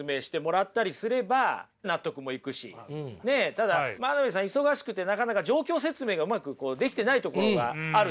ただ真鍋さん忙しくてなかなか状況説明がうまくできてないところがあるっていうことですね。